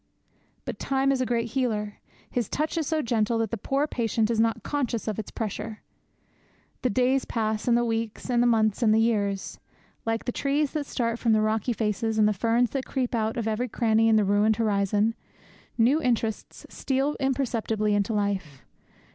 But Time is a great healer. His touch is so gentle that the poor patient is not conscious of its pressure. The days pass, and the weeks, and the months, and the years. Like the trees that start from the rocky faces, and the ferns that creep out of every cranny in the ruined horizon, new interests steal imperceptibly into life.